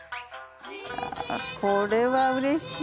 これはうれしい。